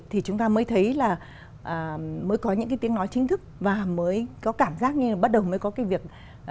thì chúng ta mới thấy là mới có những cái tiếng nói chính thức và mới có cảm giác như là bắt đầu mới có cái việc